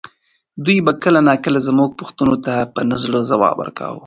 دوی به کله ناکله زما پوښتنو ته په نه زړه ځواب ورکاوه.